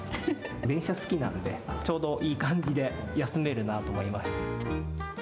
電車好きなんで、ちょうどいい感じで休めるなと思いまして。